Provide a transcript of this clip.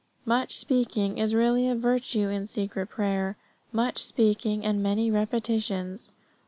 Much speaking is really a virtue in secret prayer; much speaking and many repetitions.